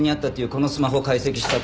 このスマホを解析したところ